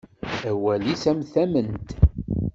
Awalen-is am tament.